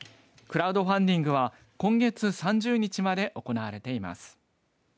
クラウドファンディングは今月３０日まで行われています。